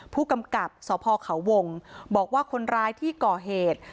ผู้กำกับสพเขาวงบอกว่าคนร้ายที่ก่อเหตุ